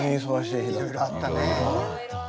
いろいろあった。